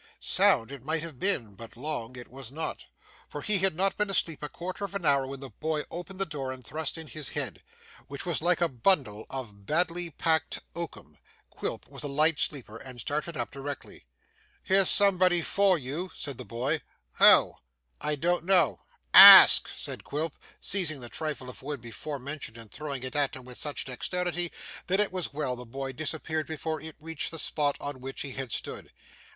Sound it might have been, but long it was not, for he had not been asleep a quarter of an hour when the boy opened the door and thrust in his head, which was like a bundle of badly picked oakum. Quilp was a light sleeper and started up directly. 'Here's somebody for you,' said the boy. 'Who?' 'I don't know.' 'Ask!' said Quilp, seizing the trifle of wood before mentioned and throwing it at him with such dexterity that it was well the boy disappeared before it reached the spot on which he had stood.